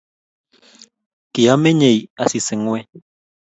Kimenyei Asisi ngweny